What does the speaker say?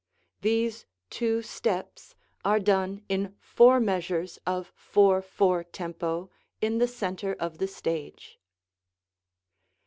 These two steps are done in four measures of 4/4 tempo in the centre of the stage.